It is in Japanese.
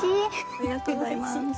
ありがとうございます。